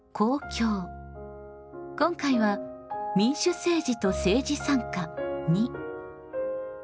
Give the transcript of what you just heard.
今回は「民主政治と政治参加②」。